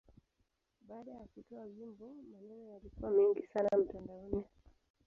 Baada ya kutoa wimbo, maneno yalikuwa mengi sana mtandaoni.